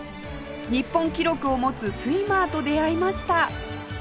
日本記録を持つスイマーと出会いました